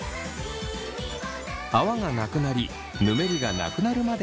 泡がなくなりぬめりがなくなるまで流すことが大切。